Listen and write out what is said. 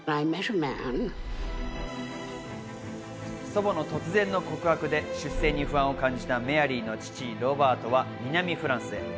祖母の突然の告白で出世に不安を感じたメアリーの父・ロバートは南フランスへ。